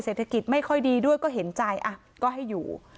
เศรษฐกิจไม่ค่อยดีด้วยก็เห็นใจก็ให้อยู่